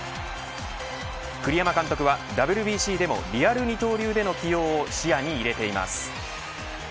栗山監督はＷＢＣでもリアル二刀流での起用を視野に入れています。